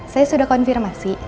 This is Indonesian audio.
saya sudah konfirmasi